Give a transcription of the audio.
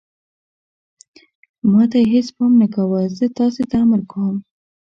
ما ته یې هېڅ پام نه کاوه، زه تاسې ته امر کوم.